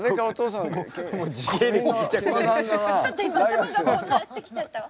ちょっと今頭が混乱してきちゃったわ。